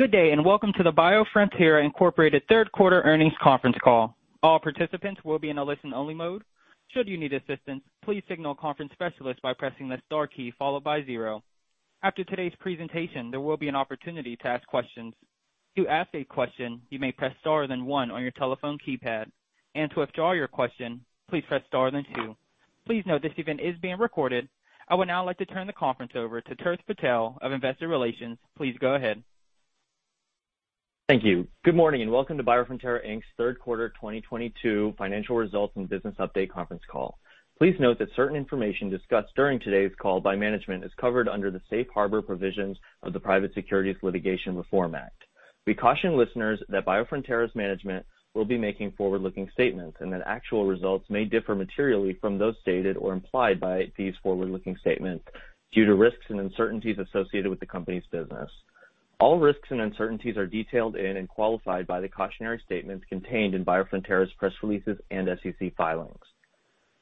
Good day, and welcome to the Biofrontera Incorporated third quarter earnings conference call. All participants will be in a listen-only mode. Should you need assistance, please signal a conference specialist by pressing the star key followed by zero. After today's presentation, there will be an opportunity to ask questions. To ask a question, you may press star then one on your telephone keypad. To withdraw your question, please press star then two. Please note this event is being recorded. I would now like to turn the conference over to Tirth Patel of Investor Relations. Please go ahead. Thank you. Good morning, and welcome to Biofrontera Inc.'s third quarter 2022 financial results and business update conference call. Please note that certain information discussed during today's call by management is covered under the safe harbor provisions of the Private Securities Litigation Reform Act. We caution listeners that Biofrontera's management will be making forward-looking statements, and that actual results may differ materially from those stated or implied by these forward-looking statements due to risks and uncertainties associated with the company's business. All risks and uncertainties are detailed in and qualified by the cautionary statements contained in Biofrontera's press releases and SEC filings.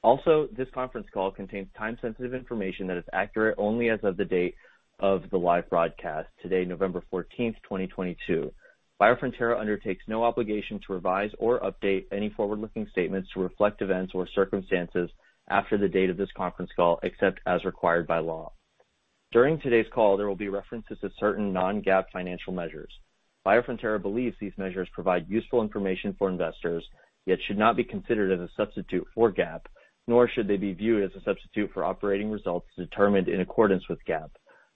Also, this conference call contains time-sensitive information that is accurate only as of the date of the live broadcast, today, November 14, 2022. Biofrontera undertakes no obligation to revise or update any forward-looking statements to reflect events or circumstances after the date of this conference call, except as required by law. During today's call, there will be references to certain non-GAAP financial measures. Biofrontera believes these measures provide useful information for investors, yet should not be considered as a substitute for GAAP, nor should they be viewed as a substitute for operating results determined in accordance with GAAP.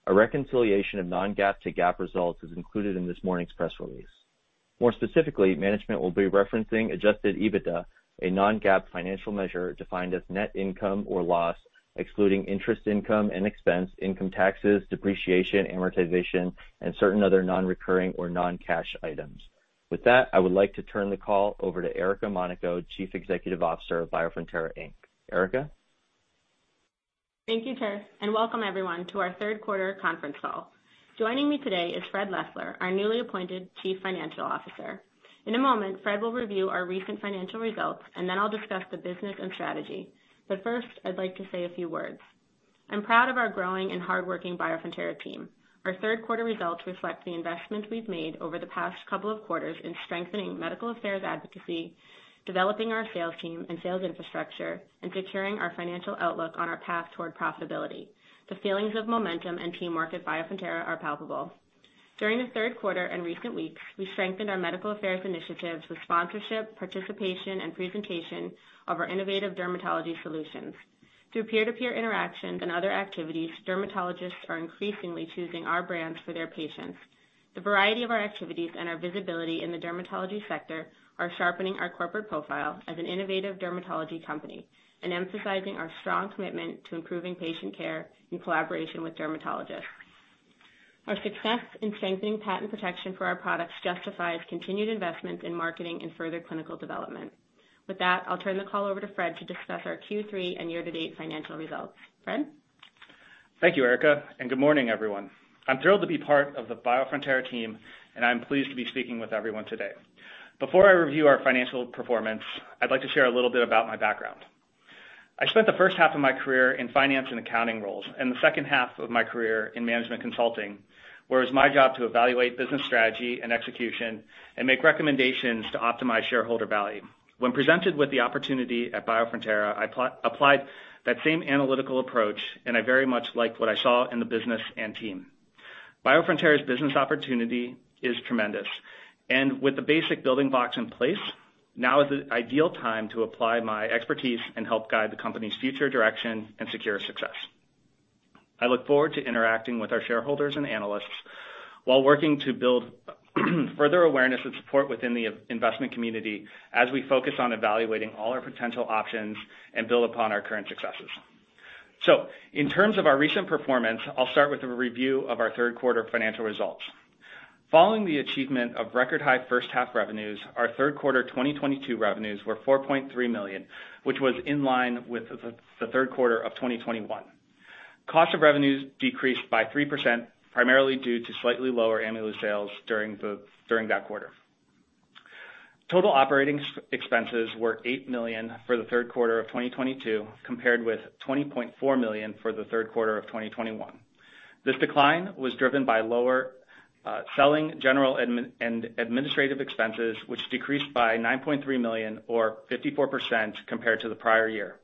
A reconciliation of non-GAAP to GAAP results is included in this morning's press release. More specifically, management will be referencing Adjusted EBITDA, a non-GAAP financial measure defined as net income or loss, excluding interest income and expense, income taxes, depreciation, amortization, and certain other non-recurring or non-cash items. With that, I would like to turn the call over to Erica Monaco, Chief Executive Officer of Biofrontera Inc. Erica. Thank you, Terrence, and welcome everyone to our third quarter conference call. Joining me today is Fred Leffler, our newly appointed Chief Financial Officer. In a moment, Fred will review our recent financial results, and then I'll discuss the business and strategy. First, I'd like to say a few words. I'm proud of our growing and hardworking Biofrontera team. Our third quarter results reflect the investment we've made over the past couple of quarters in strengthening medical affairs advocacy, developing our sales team and sales infrastructure, and securing our financial outlook on our path toward profitability. The feelings of momentum and teamwork at Biofrontera are palpable. During the third quarter and recent weeks, we strengthened our medical affairs initiatives with sponsorship, participation, and presentation of our innovative dermatology solutions. Through peer-to-peer interactions and other activities, dermatologists are increasingly choosing our brands for their patients. The variety of our activities and our visibility in the dermatology sector are sharpening our corporate profile as an innovative dermatology company and emphasizing our strong commitment to improving patient care in collaboration with dermatologists. Our success in strengthening patent protection for our products justifies continued investments in marketing and further clinical development. With that, I'll turn the call over to Fred to discuss our Q3 and year-to-date financial results. Fred? Thank you, Erica, and good morning, everyone. I'm thrilled to be part of the Biofrontera team, and I'm pleased to be speaking with everyone today. Before I review our financial performance, I'd like to share a little bit about my background. I spent the first half of my career in finance and accounting roles, and the second half of my career in management consulting, where it's my job to evaluate business strategy and execution and make recommendations to optimize shareholder value. When presented with the opportunity at Biofrontera, I applied that same analytical approach, and I very much liked what I saw in the business and team. Biofrontera's business opportunity is tremendous. With the basic building blocks in place, now is the ideal time to apply my expertise and help guide the company's future direction and secure success. I look forward to interacting with our shareholders and analysts while working to build further awareness and support within the investment community as we focus on evaluating all our potential options and build upon our current successes. In terms of our recent performance, I'll start with a review of our third quarter financial results. Following the achievement of record-high first half revenues, our third quarter 2022 revenues were $4.3 million, which was in line with the third quarter of 2021. Cost of revenues decreased by 3%, primarily due to slightly lower Ameluz sales during that quarter. Total operating expenses were $8 million for the third quarter of 2022, compared with $20.4 million for the third quarter of 2021. This decline was driven by lower selling, general, and administrative expenses, which decreased by $9.3 million or 54% compared to the prior year.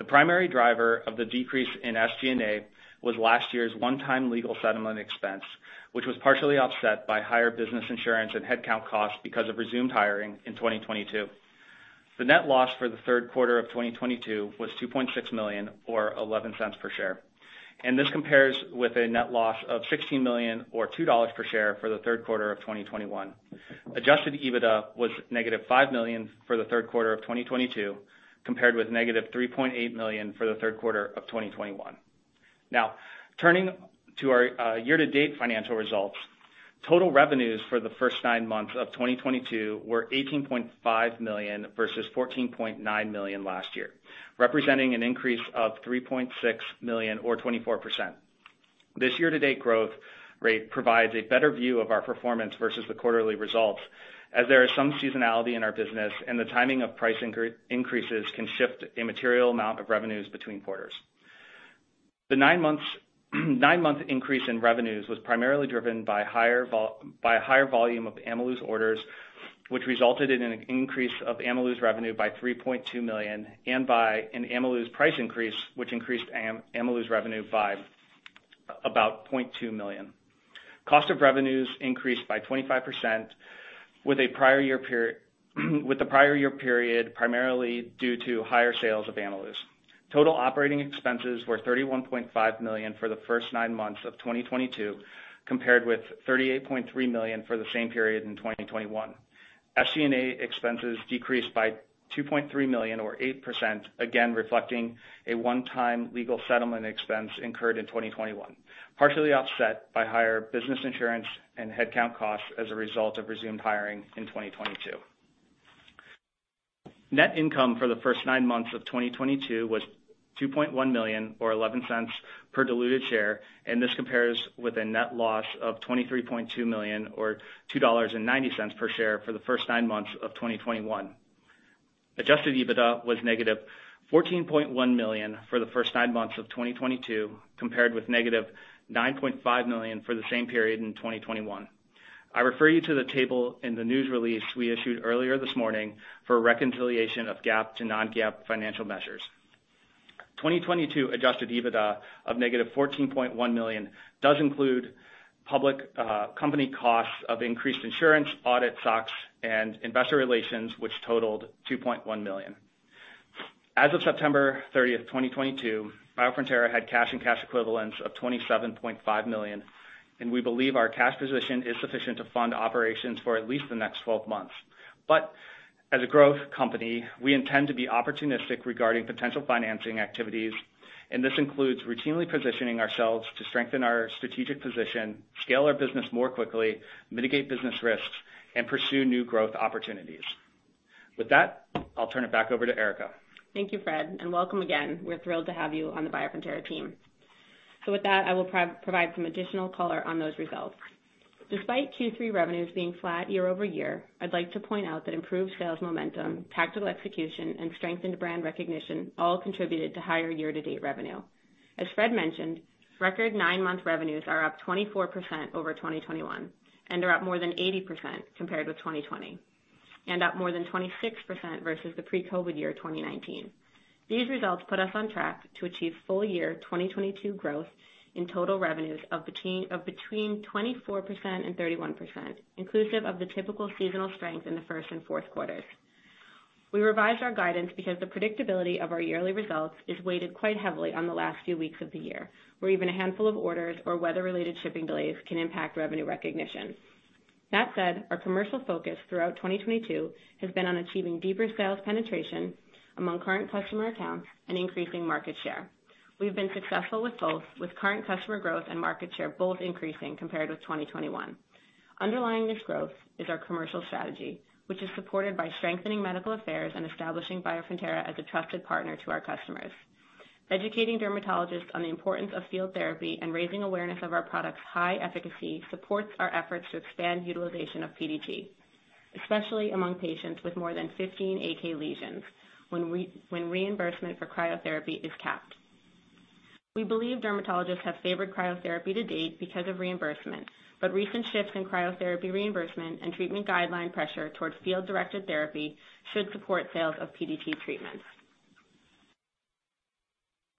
The primary driver of the decrease in SG&A was last year's one-time legal settlement expense, which was partially offset by higher business insurance and headcount costs because of resumed hiring in 2022. The net loss for the third quarter of 2022 was $2.6 million or $0.11 per share. This compares with a net loss of $16 million or $2 per share for the third quarter of 2021. Adjusted EBITDA was -$5 million for the third quarter of 2022, compared with -$3.8 million for the third quarter of 2021. Now, turning to our year-to-date financial results, total revenues for the first nine months of 2022 were $18.5 million versus $14.9 million last year, representing an increase of $3.6 million or 24%. This year-to-date growth rate provides a better view of our performance versus the quarterly results, as there is some seasonality in our business, and the timing of price increases can shift a material amount of revenues between quarters. The nine-month increase in revenues was primarily driven by a higher volume of Ameluz orders, which resulted in an increase of Ameluz revenue by $3.2 million and by an Ameluz price increase, which increased Ameluz revenue by about $0.2 million. Cost of revenues increased by 25% with the prior year period, primarily due to higher sales of Ameluz. Total operating expenses were $31.5 million for the first 9 months of 2022, compared with $38.3 million for the same period in 2021. SG&A expenses decreased by $2.3 million or 8%, again, reflecting a one-time legal settlement expense incurred in 2021, partially offset by higher business insurance and headcount costs as a result of resumed hiring in 2022. Net income for the first 9 months of 2022 was $2.1 million or $0.11 per diluted share, and this compares with a net loss of $23.2 million or $2.90 per share for the first 9 months of 2021. Adjusted EBITDA was -$14.1 million for the first nine months of 2022, compared with -$9.5 million for the same period in 2021. I refer you to the table in the news release we issued earlier this morning for a reconciliation of GAAP to non-GAAP financial measures. 2022 Adjusted EBITDA of -$14.1 million does include public company costs of increased insurance, audit, SOX, and investor relations, which totaled $2.1 million. As of September 30, 2022, Biofrontera had cash and cash equivalents of $27.5 million, and we believe our cash position is sufficient to fund operations for at least the next 12 months. As a growth company, we intend to be opportunistic regarding potential financing activities, and this includes routinely positioning ourselves to strengthen our strategic position, scale our business more quickly, mitigate business risks, and pursue new growth opportunities. With that, I'll turn it back over to Erica. Thank you, Fred, and welcome again. We're thrilled to have you on the Biofrontera team. With that, I will provide some additional color on those results. Despite Q3 revenues being flat year-over-year, I'd like to point out that improved sales momentum, tactical execution, and strengthened brand recognition all contributed to higher year-to-date revenue. As Fred mentioned, record nine-month revenues are up 24% over 2021 and are up more than 80% compared with 2020, and up more than 26% versus the pre-COVID year, 2019. These results put us on track to achieve full year 2022 growth in total revenues of between 24% and 31%, inclusive of the typical seasonal strength in the first and fourth quarters. We revised our guidance because the predictability of our yearly results is weighed quite heavily on the last few weeks of the year, where even a handful of orders or weather-related shipping delays can impact revenue recognition. That said, our commercial focus throughout 2022 has been on achieving deeper sales penetration among current customer accounts and increasing market share. We've been successful with both, with current customer growth and market share both increasing compared with 2021. Underlying this growth is our commercial strategy, which is supported by strengthening medical affairs and establishing Biofrontera as a trusted partner to our customers. Educating dermatologists on the importance of field therapy and raising awareness of our products' high efficacy supports our efforts to expand utilization of PDT, especially among patients with more than 15 AK lesions when reimbursement for cryotherapy is capped. We believe dermatologists have favored cryotherapy to date because of reimbursement, but recent shifts in cryotherapy reimbursement and treatment guideline pressure towards field-directed therapy should support sales of PDT treatments.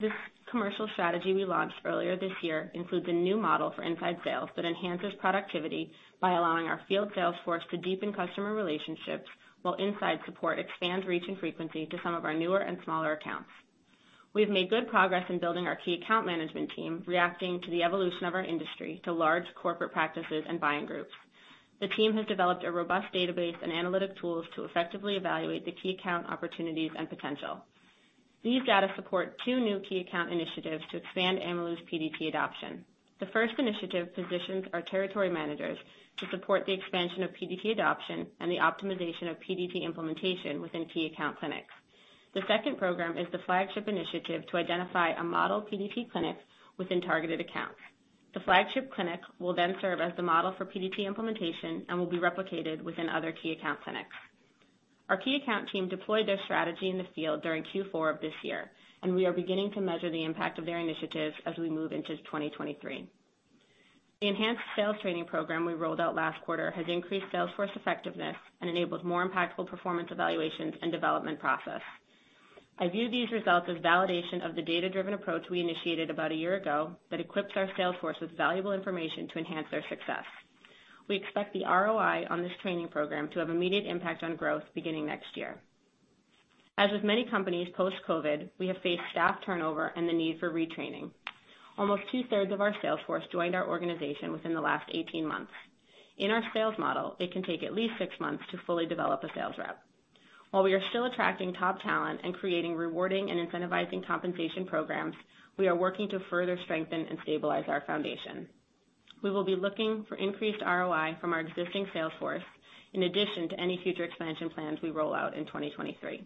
This commercial strategy we launched earlier this year includes a new model for inside sales that enhances productivity by allowing our field sales force to deepen customer relationships while inside support expands reach and frequency to some of our newer and smaller accounts. We've made good progress in building our key account management team, reacting to the evolution of our industry to large corporate practices and buying groups. The team has developed a robust database and analytic tools to effectively evaluate the key account opportunities and potential. These data support two new key account initiatives to expand Ameluz PDT adoption. The first initiative positions our territory managers to support the expansion of PDT adoption and the optimization of PDT implementation within key account clinics. The second program is the flagship initiative to identify a model PDT clinic within targeted accounts. The flagship clinic will then serve as the model for PDT implementation and will be replicated within other key account clinics. Our key account team deployed their strategy in the field during Q4 of this year, and we are beginning to measure the impact of their initiatives as we move into 2023. The enhanced sales training program we rolled out last quarter has increased sales force effectiveness and enables more impactful performance evaluations and development process. I view these results as validation of the data-driven approach we initiated about a year ago that equips our sales force with valuable information to enhance their success. We expect the ROI on this training program to have immediate impact on growth beginning next year. As with many companies post-COVID, we have faced staff turnover and the need for retraining. Almost two-thirds of our sales force joined our organization within the last 18 months. In our sales model, it can take at least 6 months to fully develop a sales rep. While we are still attracting top talent and creating rewarding and incentivizing compensation programs, we are working to further strengthen and stabilize our foundation. We will be looking for increased ROI from our existing sales force in addition to any future expansion plans we roll out in 2023.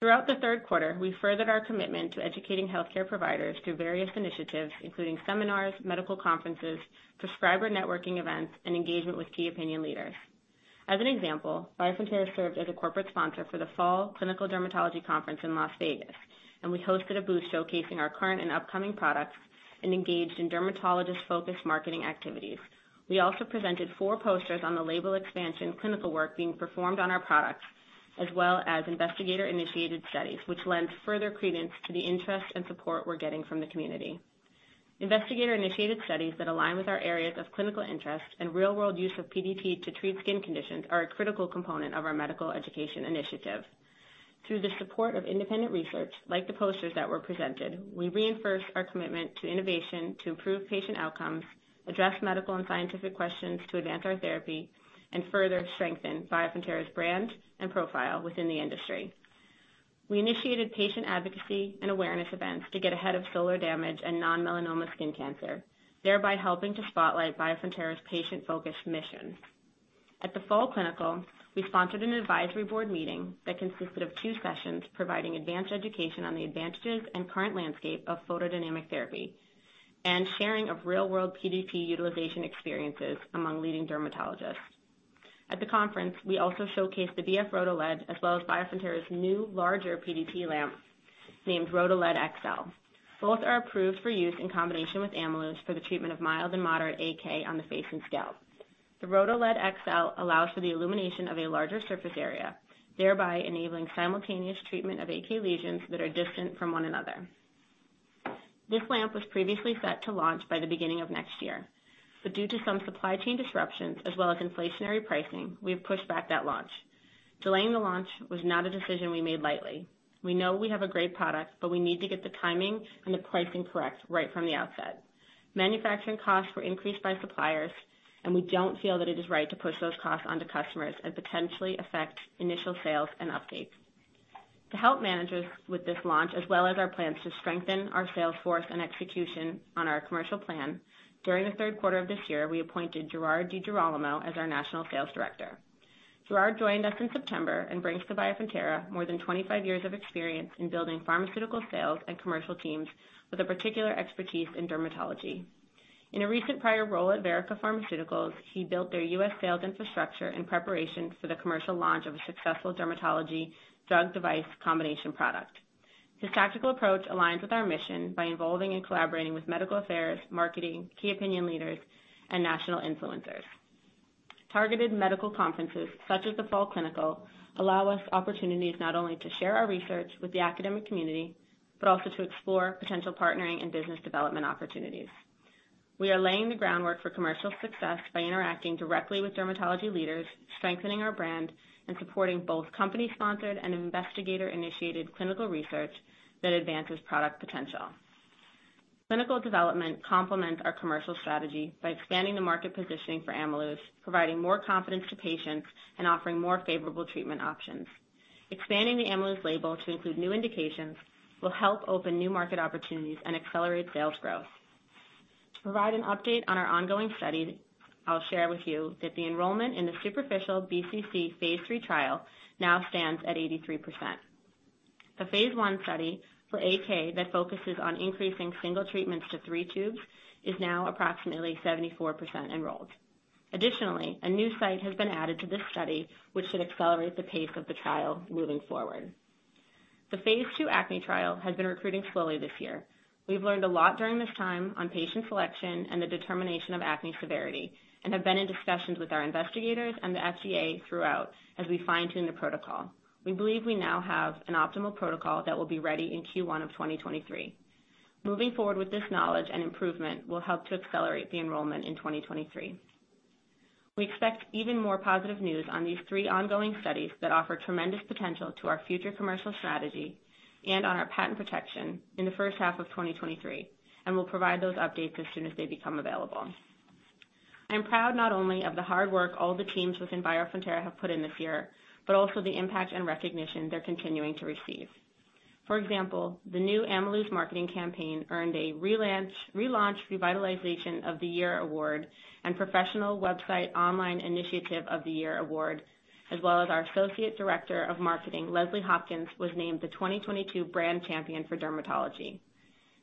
Throughout the third quarter, we furthered our commitment to educating healthcare providers through various initiatives, including seminars, medical conferences, prescriber networking events, and engagement with key opinion leaders. As an example, Biofrontera served as a corporate sponsor for the Fall Clinical Dermatology Conference in Las Vegas, and we hosted a booth showcasing our current and upcoming products and engaged in dermatologist-focused marketing activities. We also presented four posters on the label expansion clinical work being performed on our products, as well as investigator-initiated studies, which lend further credence to the interest and support we're getting from the community. Investigator-initiated studies that align with our areas of clinical interest and real-world use of PDT to treat skin conditions are a critical component of our medical education initiative. Through the support of independent research, like the posters that were presented, we reinforce our commitment to innovation to improve patient outcomes, address medical and scientific questions to advance our therapy, and further strengthen Biofrontera's brand and profile within the industry. We initiated patient advocacy and awareness events to get ahead of solar damage and non-melanoma skin cancer, thereby helping to spotlight Biofrontera's patient-focused mission. At the Fall Clinical, we sponsored an advisory board meeting that consisted of two sessions providing advanced education on the advantages and current landscape of photodynamic therapy and sharing of real-world PDT utilization experiences among leading dermatologists. At the conference, we also showcased the BF-RhodoLED, as well as Biofrontera's new larger PDT lamp named BF-RhodoLED XL. Both are approved for use in combination with Ameluz for the treatment of mild and moderate AK on the face and scalp. The BF-RhodoLED XL allows for the illumination of a larger surface area, thereby enabling simultaneous treatment of AK lesions that are distant from one another. This lamp was previously set to launch by the beginning of next year, but due to some supply chain disruptions as well as inflationary pricing, we have pushed back that launch. Delaying the launch was not a decision we made lightly. We know we have a great product, but we need to get the timing and the pricing correct right from the outset. Manufacturing costs were increased by suppliers, and we don't feel that it is right to push those costs onto customers and potentially affect initial sales and updates. To help managers with this launch, as well as our plans to strengthen our sales force and execution on our commercial plan, during the third quarter of this year, we appointed Gerald Marolf as our National Sales Director. Gerald joined us in September and brings to Biofrontera more than 25 years of experience in building pharmaceutical sales and commercial teams with a particular expertise in dermatology. In a recent prior role at Verrica Pharmaceuticals, he built their U.S. sales infrastructure in preparation for the commercial launch of a successful dermatology drug device combination product. His tactical approach aligns with our mission by involving and collaborating with medical affairs, marketing, key opinion leaders, and national influencers. Targeted medical conferences such as the Fall Clinical allow us opportunities not only to share our research with the academic community, but also to explore potential partnering and business development opportunities. We are laying the groundwork for commercial success by interacting directly with dermatology leaders, strengthening our brand, and supporting both company-sponsored and investigator-initiated clinical research that advances product potential. Clinical development complements our commercial strategy by expanding the market positioning for Ameluz, providing more confidence to patients, and offering more favorable treatment options. Expanding the Ameluz label to include new indications will help open new market opportunities and accelerate sales growth. To provide an update on our ongoing study, I'll share with you that the enrollment in the superficial BCC phase III trial now stands at 83%. The phase 1 study for AK that focuses on increasing single treatments to 3 tubes is now approximately 74% enrolled. Additionally, a new site has been added to this study, which should accelerate the pace of the trial moving forward. The phase II acne trial has been recruiting slowly this year. We've learned a lot during this time on patient selection and the determination of acne severity and have been in discussions with our investigators and the FDA throughout as we fine-tune the protocol. We believe we now have an optimal protocol that will be ready in Q1 of 2023. Moving forward with this knowledge and improvement will help to accelerate the enrollment in 2023. We expect even more positive news on these three ongoing studies that offer tremendous potential to our future commercial strategy and on our patent protection in the first half of 2023, and we'll provide those updates as soon as they become available. I'm proud not only of the hard work all the teams within Biofrontera have put in this year, but also the impact and recognition they're continuing to receive. For example, the new Ameluz marketing campaign earned a relaunch revitalization of the year award and professional website online initiative of the year award, as well as our Associate Director of Marketing, Leslie Hopkins, was named the 2022 brand champion for dermatology.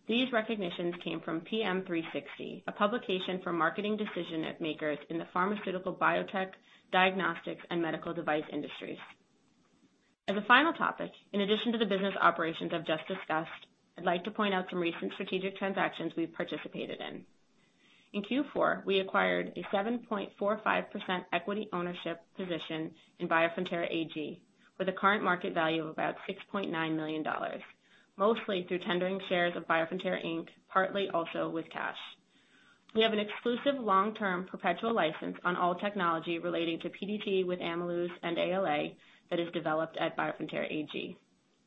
These recognitions came from PM360, a publication for marketing decision-makers in the pharmaceutical, biotech, diagnostics, and medical device industries. As a final topic, in addition to the business operations I've just discussed, I'd like to point out some recent strategic transactions we've participated in. In Q4, we acquired a 7.45% equity ownership position in Biofrontera AG with a current market value of about $6.9 million, mostly through tendering shares of Biofrontera Inc., partly also with cash. We have an exclusive long-term perpetual license on all technology relating to PDT with Ameluz and ALA that is developed at Biofrontera AG.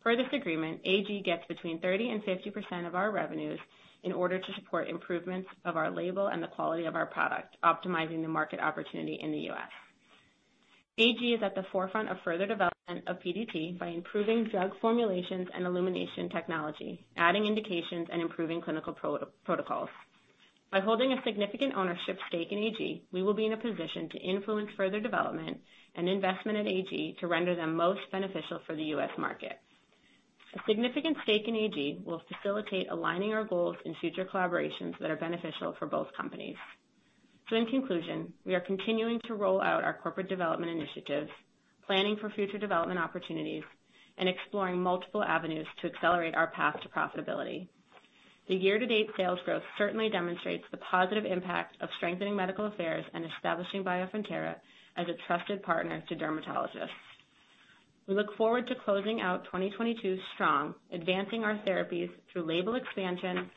Per this agreement, AG gets between 30% and 50% of our revenues in order to support improvements of our label and the quality of our product, optimizing the market opportunity in the U.S. AG is at the forefront of further development of PDT by improving drug formulations and illumination technology, adding indications, and improving clinical protocols. By holding a significant ownership stake in AG, we will be in a position to influence further development and investment in AG to render them most beneficial for the US market. A significant stake in AG will facilitate aligning our goals in future collaborations that are beneficial for both companies. In conclusion, we are continuing to roll out our corporate development initiatives, planning for future development opportunities, and exploring multiple avenues to accelerate our path to profitability. The year-to-date sales growth certainly demonstrates the positive impact of strengthening medical affairs and establishing Biofrontera as a trusted partner to dermatologists. We look forward to closing out 2022 strong, advancing our therapies through label expansion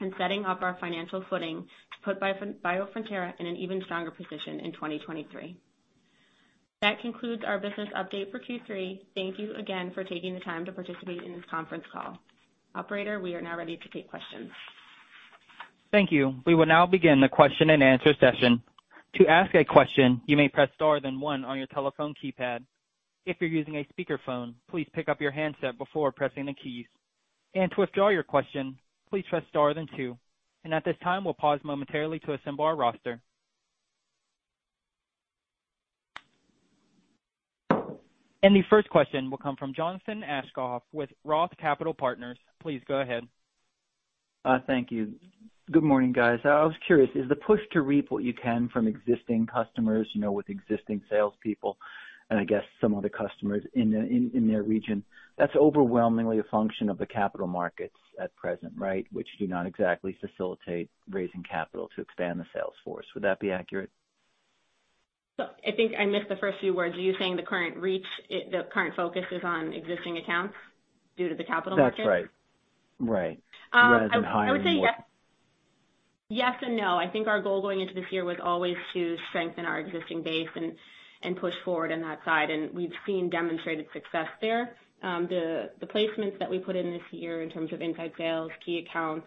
and setting up our financial footing to put Biofrontera in an even stronger position in 2023. That concludes our business update for Q3. Thank you again for taking the time to participate in this conference call. Operator, we are now ready to take questions. Thank you. We will now begin the question-and-answer session. To ask a question, you may press star then one on your telephone keypad. If you're using a speakerphone, please pick up your handset before pressing the keys. To withdraw your question, please press star then two. At this time, we'll pause momentarily to assemble our roster. The first question will come from Jonathan Aschoff with Roth Capital Partners. Please go ahead. Thank you. Good morning, guys. I was curious, is the push to reap what you can from existing customers, you know, with existing salespeople, and I guess some other customers in their region, that's overwhelmingly a function of the capital markets at present, right? Which do not exactly facilitate raising capital to expand the sales force. Would that be accurate? I think I missed the first few words. Are you saying the current reach, the current focus is on existing accounts due to the capital markets? That's right. Rather than hiring more. I would say yes and no. I think our goal going into this year was always to strengthen our existing base and push forward on that side. We've seen demonstrated success there. The placements that we put in this year in terms of inside sales, key accounts,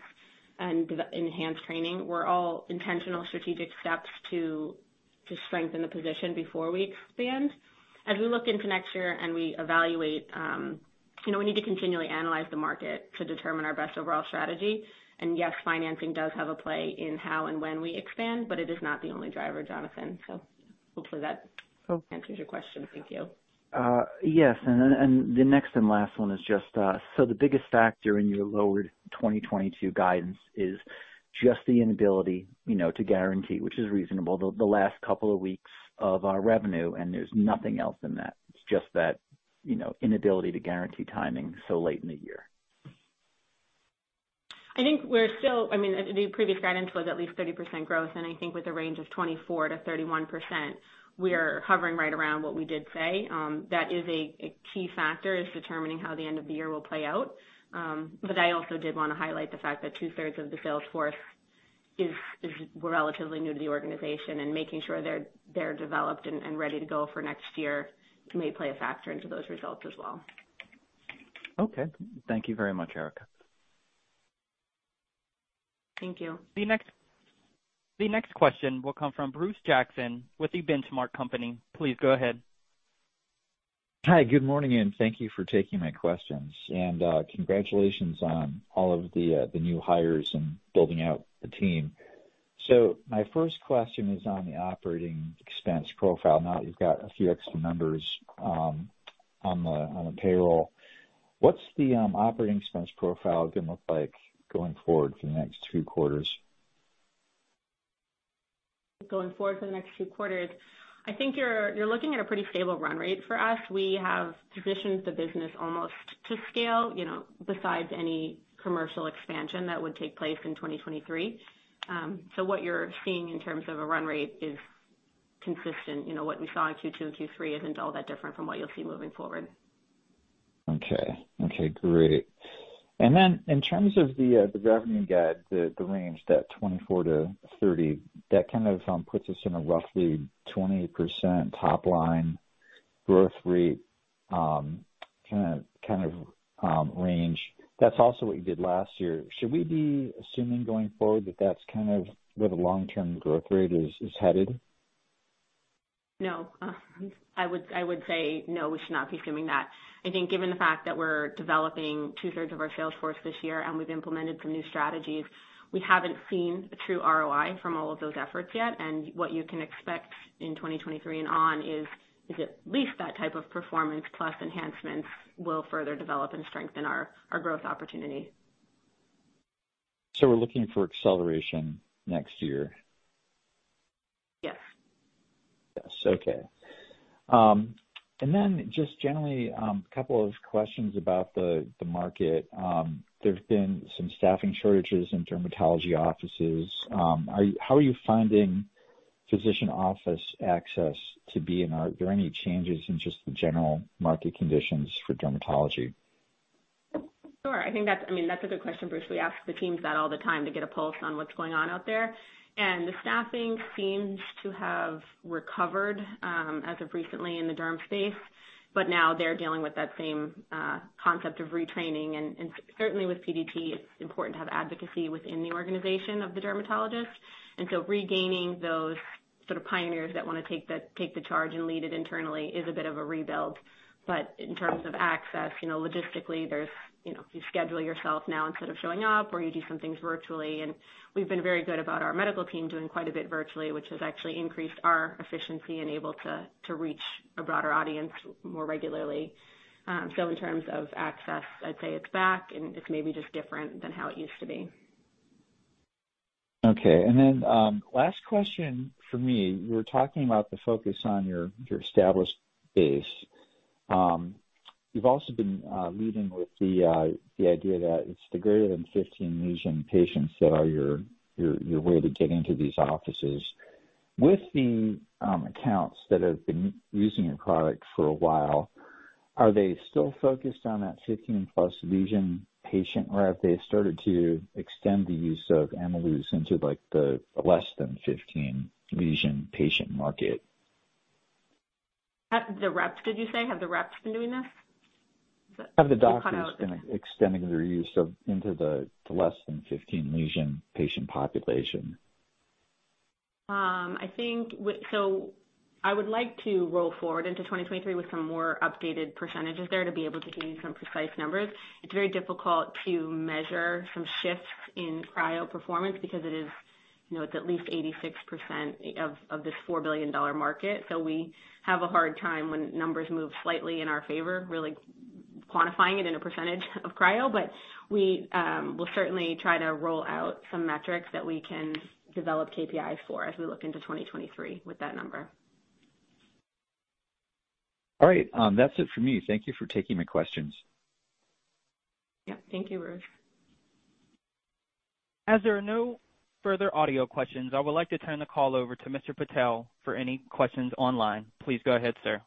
and enhanced training were all intentional strategic steps to strengthen the position before we expand. As we look into next year and we evaluate, you know, we need to continually analyze the market to determine our best overall strategy. Yes, financing does have a play in how and when we expand, but it is not the only driver, Jonathan. Hopefully that answers your question. Thank you. Yes. The next and last one is just, so the biggest factor in your lowered 2022 guidance is just the inability, you know, to guarantee, which is reasonable, the last couple of weeks of revenue, and there's nothing else than that. It's just that, you know, inability to guarantee timing so late in the year. I think we're still. I mean, the previous guidance was at least 30% growth, and I think with a range of 24%-31%, we're hovering right around what we did say. That is a key factor in determining how the end of the year will play out. I also did wanna highlight the fact that two-thirds of the sales force were relatively new to the organization, and making sure they're developed and ready to go for next year may play a factor into those results as well. Okay. Thank you very much, Erica. Thank you. The next question will come from Bruce Jackson with The Benchmark Company. Please go ahead. Hi, good morning, and thank you for taking my questions. Congratulations on all of the new hires and building out the team. My first question is on the operating expense profile. Now that you've got a few extra members on the payroll, what's the operating expense profile gonna look like going forward for the next few quarters? Going forward for the next few quarters, I think you're looking at a pretty stable run rate for us. We have positioned the business almost to scale, you know, besides any commercial expansion that would take place in 2023. What you're seeing in terms of a run rate is consistent. You know, what we saw in Q2 and Q3 isn't all that different from what you'll see moving forward. Okay, great. In terms of the revenue guide, the range, that $24-$30, that kind of puts us in a roughly 20% top line growth rate, kind of range. That's also what you did last year. Should we be assuming going forward that that's kind of where the long-term growth rate is headed? No. I would say no, we should not be assuming that. I think given the fact that we're developing 2/3 of our sales force this year and we've implemented some new strategies, we haven't seen a true ROI from all of those efforts yet. What you can expect in 2023 and on is at least that type of performance plus enhancements will further develop and strengthen our growth opportunity. We're looking for acceleration next year? Yes. Yes. Okay. Just generally, a couple of questions about the market. There's been some staffing shortages in dermatology offices. How are you finding physician office access to be, and are there any changes in just the general market conditions for dermatology? Sure. I think that's, I mean, that's a good question, Bruce. We ask the teams that all the time to get a pulse on what's going on out there. The staffing seems to have recovered as of recently in the derm space, but now they're dealing with that same concept of retraining. Certainly with PDT, it's important to have advocacy within the organization of the dermatologist. Regaining those sort of pioneers that wanna take the charge and lead it internally is a bit of a rebuild. But in terms of access, you know, logistically there's, you know, you schedule yourself now instead of showing up, or you do some things virtually, and we've been very good about our medical team doing quite a bit virtually, which has actually increased our efficiency and able to reach a broader audience more regularly. In terms of access, I'd say it's back and it's maybe just different than how it used to be. Okay. Last question for me. You were talking about the focus on your established base. You've also been leading with the idea that it's the greater than 15 lesion patients that are your way to get into these offices. With the accounts that have been using your product for a while, are they still focused on that 15-plus lesion patient, or have they started to extend the use of Ameluz into, like, the less than 15 lesion patient market? Have the reps, did you say? Have the reps been doing this? Is that, you cut out there. Have the doctors been extending their use of into the less than 15 lesion patient population? I would like to roll forward into 2023 with some more updated percentages there to be able to give you some precise numbers. It's very difficult to measure some shifts in cryo performance because it is, you know, it's at least 86% of this $4 billion market. We have a hard time when numbers move slightly in our favor, really quantifying it in a percentage of cryo. We will certainly try to roll out some metrics that we can develop KPIs for as we look into 2023 with that number. All right. That's it for me. Thank you for taking my questions. Yeah. Thank you, Bruce. As there are no further audio questions, I would like to turn the call over to Mr. Patel for any questions online. Please go ahead, sir.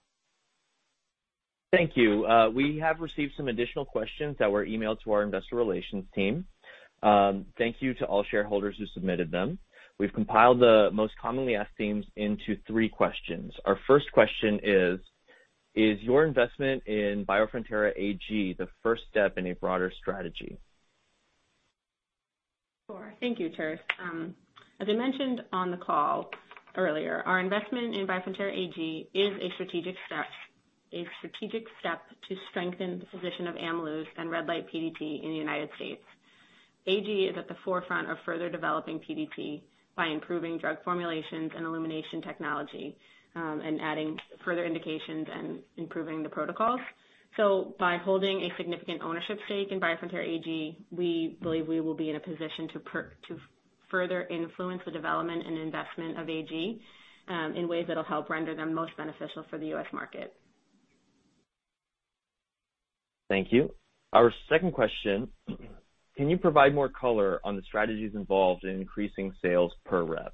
Thank you. We have received some additional questions that were emailed to our investor relations team. Thank you to all shareholders who submitted them. We've compiled the most commonly asked themes into three questions. Our first question is: Is your investment in Biofrontera AG the first step in a broader strategy? Sure. Thank you, Tirth. As I mentioned on the call earlier, our investment in Biofrontera AG is a strategic step to strengthen the position of Ameluz and Red Light PDT in the United States. AG is at the forefront of further developing PDT by improving drug formulations and illumination technology, and adding further indications and improving the protocols. By holding a significant ownership stake in Biofrontera AG, we believe we will be in a position to further influence the development and investment of AG, in ways that'll help render them most beneficial for the US market. Thank you. Our second question: Can you provide more color on the strategies involved in increasing sales per rep?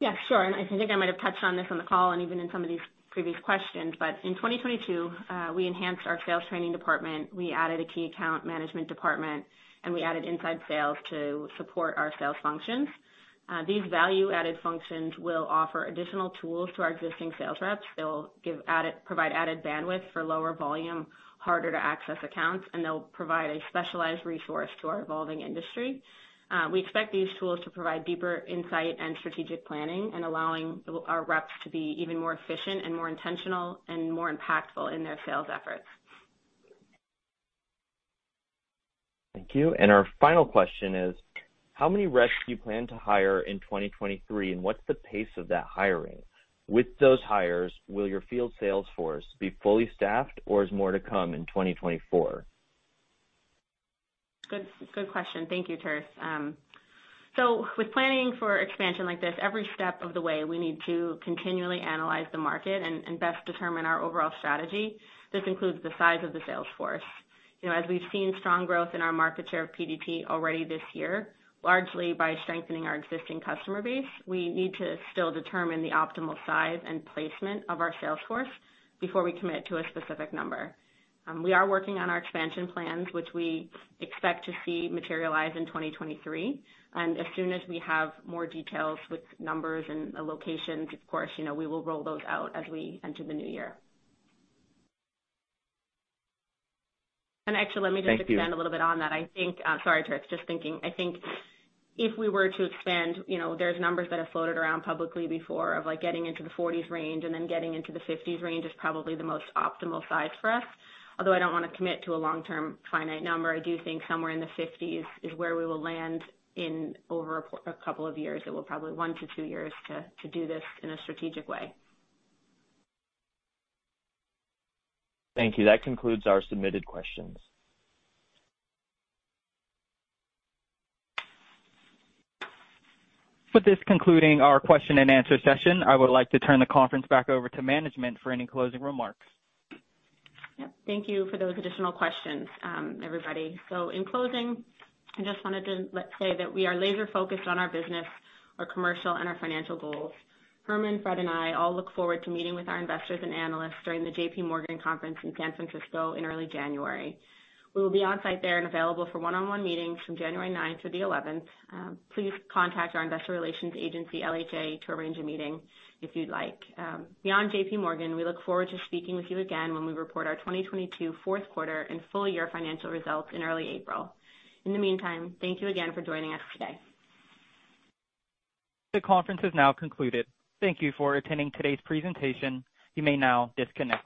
Yeah, sure, I think I might have touched on this on the call and even in some of these previous questions. In 2022, we enhanced our sales training department. We added a key account management department, and we added inside sales to support our sales functions. These value-added functions will offer additional tools to our existing sales reps. They'll provide added bandwidth for lower volume, harder to access accounts, and they'll provide a specialized resource to our evolving industry. We expect these tools to provide deeper insight and strategic planning in allowing our reps to be even more efficient and more intentional and more impactful in their sales efforts. Thank you. Our final question is: How many reps do you plan to hire in 2023, and what's the pace of that hiring? With those hires, will your field sales force be fully staffed or is more to come in 2024? Good question. Thank you, Tirth. With planning for expansion like this, every step of the way, we need to continually analyze the market and best determine our overall strategy. This includes the size of the sales force. You know, as we've seen strong growth in our market share of PDT already this year, largely by strengthening our existing customer base, we need to still determine the optimal size and placement of our sales force before we commit to a specific number. We are working on our expansion plans, which we expect to see materialize in 2023. As soon as we have more details with numbers and allocations, of course, you know, we will roll those out as we enter the new year. Actually, let me just. Thank you. Expand a little bit on that. I think, sorry, Tirth, just thinking. I think if we were to expand, you know, there's numbers that have floated around publicly before of like getting into the 40s range and then getting into the 50s range is probably the most optimal size for us. Although I don't wanna commit to a long-term finite number, I do think somewhere in the 50s is where we will land in a couple of years. It will probably 1-2 years to do this in a strategic way. Thank you. That concludes our submitted questions. With that, concluding our question and answer session, I would like to turn the conference back over to management for any closing remarks. Yep. Thank you for those additional questions, everybody. In closing, I just wanted to say that we are laser-focused on our business, our commercial, and our financial goals. Hermann, Fred, and I all look forward to meeting with our investors and analysts during the JPMorgan conference in San Francisco in early January. We will be on site there and available for one-on-one meetings from January ninth through the eleventh. Please contact our investor relations agency, LHA, to arrange a meeting if you'd like. Beyond JPMorgan, we look forward to speaking with you again when we report our 2022 fourth quarter and full year financial results in early April. In the meantime, thank you again for joining us today. The conference is now concluded. Thank you for attending today's presentation. You may now disconnect.